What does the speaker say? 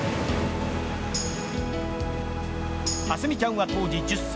明日美ちゃんは当時１０歳。